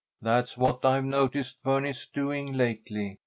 That's what I've noticed Bernice doing lately.